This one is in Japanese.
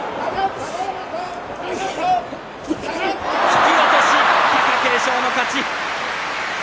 突き落とし貴景勝の勝ち。